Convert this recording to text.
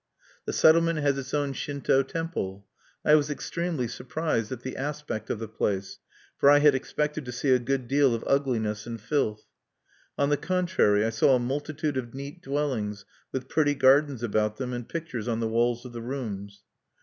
The settlement has its own Shinto temple. I was extremely surprised at the aspect of the place; for I had expected to see a good deal of ugliness and filth. On the contrary, I saw a multitude of neat dwellings, with pretty gardens about them, and pictures on the walls of the rooms.